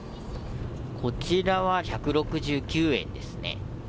こちらは１６９円ですね。